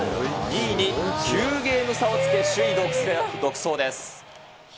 ２位に９ゲーム差をつけ、首位独走です。